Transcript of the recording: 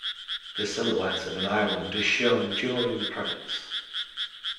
The silhouette of an island is shown during the credits.